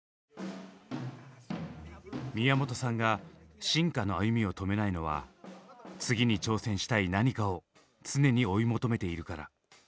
宮本さんが進化の歩みを止めないのは次に挑戦したい何かを常に追い求めているから。